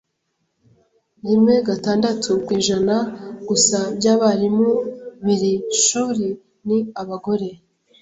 rimwegatandatu ku ijana gusa by'abarimu b'iri shuri ni abagore.